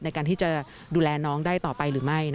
ในการที่จะดูแลน้องได้ต่อไปหรือไม่